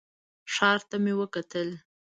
ښار ته مې وکتل.